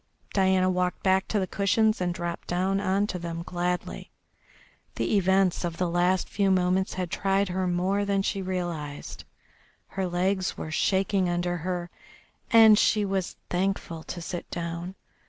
Diana walked back to the cushions and dropped down on to them gladly. The events of the last few moments had tried her more than she realised, her legs were shaking under her, and she was thankful to sit down.